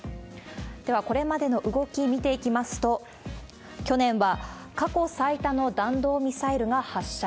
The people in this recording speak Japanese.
では、これまでの動き、見ていきますと、去年は、過去最多の弾道ミサイルが発射。